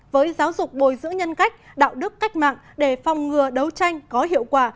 với giáo dục bồi giữ nhân cách đạo đức cách mạng để phòng ngừa đấu tranh có hiệu quả